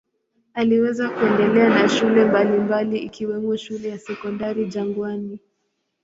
Aliweza kuendelea na shule mbalimbali ikiwemo shule ya Sekondari Jangwani.